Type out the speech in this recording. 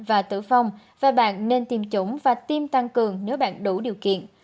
và tử vong và bạn nên tiêm chủng và tiêm tăng cường nếu bạn đủ điều kiện